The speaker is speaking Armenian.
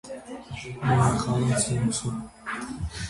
Ունի խառն սնուցում։